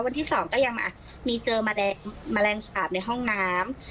วันที่๒ก็ยังมีเจอแมลงสาบในห้องน้ำ